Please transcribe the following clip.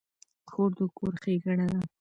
خور د کور ښېګڼه ده.